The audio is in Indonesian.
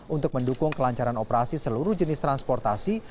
untuk mendukung kelancaran operasi seluruh jenis transportasi